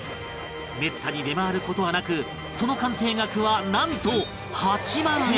めったに出回る事はなくその鑑定額はなんと